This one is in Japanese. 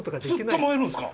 ずっと燃えるんですか？